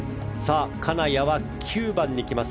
金谷は９番に来ます。